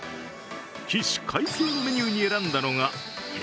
起死回生のメニューに選んだのがへ